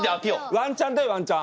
ワンチャンだよワンチャン！